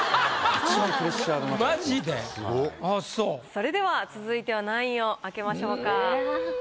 それでは続いては何位を開けましょうか？